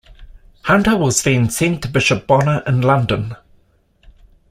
Hunter was then sent to Bishop Bonner in London.